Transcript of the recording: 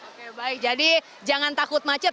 oke baik jadi jangan takut macet